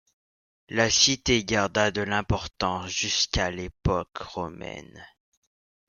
La cité garda de l'importance jusqu'à l'époque romaine.